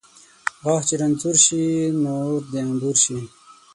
ـ غاښ چې رنځور شي ، نور د انبور شي .